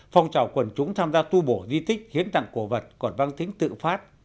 phòng trào quần chúng tham gia tu bổ di tích khiến tặng cổ vật còn văng tính tự phát